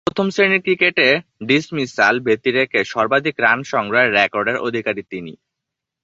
প্রথম-শ্রেণীর ক্রিকেটে ডিসমিসাল ব্যতিরেকে সর্বাধিক রান সংগ্রহের রেকর্ডের অধিকারী তিনি।